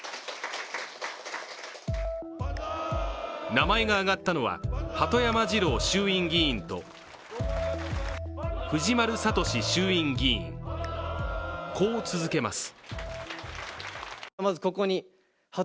名前が挙がったのは鳩山二郎衆院議員と藤丸敏衆院議員、こう続けます。